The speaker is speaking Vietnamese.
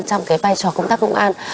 trong cái vai trò công tác công an